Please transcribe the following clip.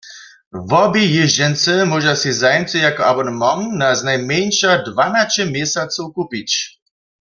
Wobě jězdźence móža sej zajimcy jako abonement na znajmjeńša dwanaće měsacow kupić.